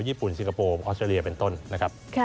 มีกองทุนสิงคโปร์ออสเจรียเป็นต้นนะครับ